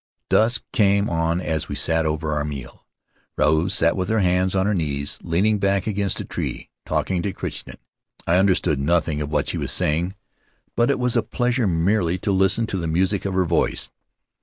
Dusk came on as we sat over our meal. Ruau sat with her hands on her knees, leaning back against a tree, talking to Crichton. I understood nothing of what she was saying, but it was a pleasure merely to listen to the music of her voice.